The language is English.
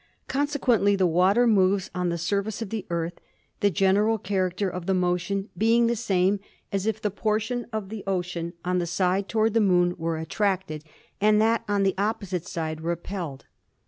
Consequently the water moves on the surface of the Earth, the general character of the motion being the same as if the portion of the ocean on the side toward the Moon were attracted and that on the opposite side repelled.